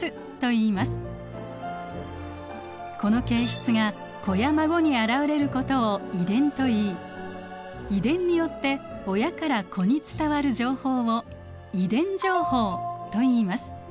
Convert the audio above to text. この形質が子や孫に現れることを遺伝といい遺伝によって親から子に伝わる情報を遺伝情報といいます。